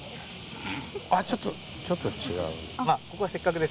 あっちょっとちょっと違う。